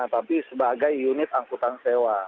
tapi sebagai unit angkutan sewa